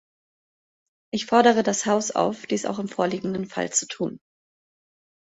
Ich fordere das Haus auf, dies auch im vorliegenden Fall zu tun.